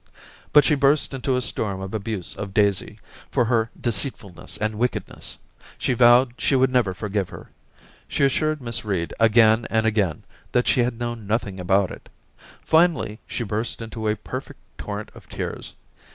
But she burst into a storm of abuse of Daisy, for her deceitfulness and wickedness. She vowed she should never forgive her. She assured Miss Reed again and again that she had known nothing about it. Finally she burst into a perfect torrent of tears.